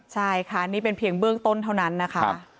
ใช่ค่ะนี่เป็นเพียงเบื้องต้นเท่านั้นนะคะ